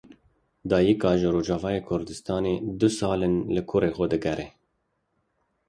Dayika ji Rojavayê Kurdistanê du sal in li kurê xwe digere.